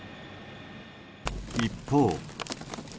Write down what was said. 一方。